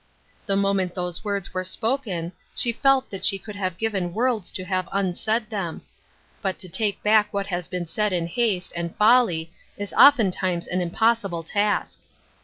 The moment those words were spoken, she felt that she would have given worlds to have unsaid them ; but to take back Seehing Relp, 76 what has been said in haste and folly is often times an impossible task.